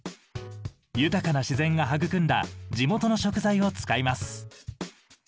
豊かな自然が育んだ地元の食材を使います。